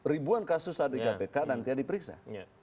ribuan kasus saat di kpk dan tidak diperiksa